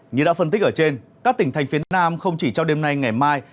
như đã phân tích ở trên các tỉnh thành phía nam không chỉ trong đêm nay ngày mai